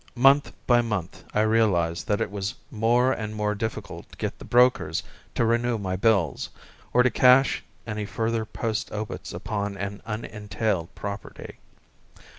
Month by month I realized that it was more and more difficult to get the brokers to renew my bills, or to cash any further post obits upon an unentailed property.